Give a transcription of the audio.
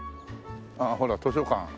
ああほら図書館。